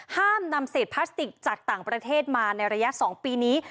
ห้ามนำเศษพลาสติกจากต่างประเทศมาในระยะ๒ปีนี้